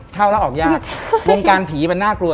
เข้าแล้วออกยากวงการผีมันน่ากลัว